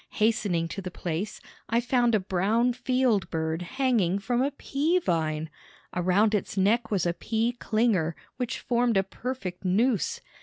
Hastening to the place I found a brown field bird hanging from a pea vine. Around its neck was a pea clinger, which formed a perfect noose.